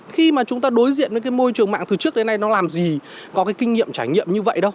khi mà chúng ta đối diện với cái môi trường mạng từ trước đến nay nó làm gì có cái kinh nghiệm trải nghiệm như vậy đâu